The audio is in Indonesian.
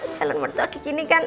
jalan jalan lagi gini kan